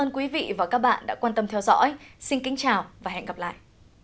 quý vị và các bạn đã quan tâm theo dõi xin kính chào và hẹn gặp lại